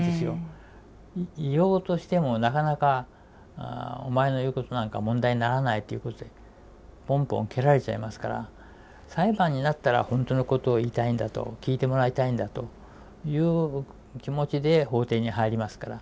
言おうとしてもなかなかお前の言うことなんか問題にならないということでポンポン蹴られちゃいますから裁判になったら本当のことを言いたいんだと聞いてもらいたいんだという気持ちで法廷に入りますから。